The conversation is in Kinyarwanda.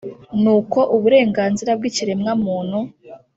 ni uko uburenganzira bw’ikiremwamuntu